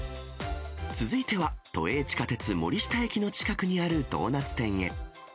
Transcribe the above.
続いては、都営地下鉄森下駅の近くにあるドーナツ店へ。